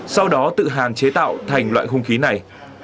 sau đó tự hàn chế tạo thành loại hung khí này